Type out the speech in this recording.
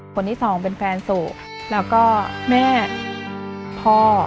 คนที่สองเป็นแฟนสู่แล้วก็แม่พ่อ